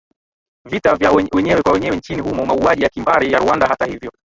vita vya wenyewe kwa wenyewe nchini humo Mauaji ya kimbari ya RwandaHata hivyo